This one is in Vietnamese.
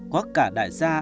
quất cả đại gia